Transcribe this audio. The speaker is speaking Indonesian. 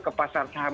ke pasar saham